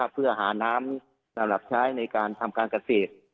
เพื่อหาน้ำสำหรับใช้ในการทำการเกษตร